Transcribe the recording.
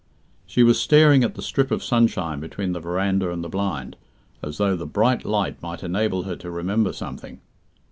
She was staring at the strip of sunshine between the verandah and the blind, as though the bright light might enable her to remember something.